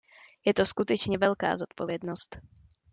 Je to skutečně velká zodpovědnost.